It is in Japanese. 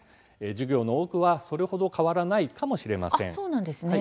授業の多くは、それほど変わらないかもしれません。